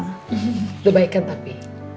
lebih baik kan tapi